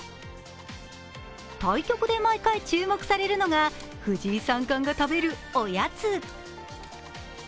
対局で毎回注目されるのが藤井三冠の食べるおやつ。